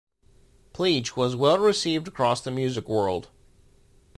"Pleetch" was well-received across the music world.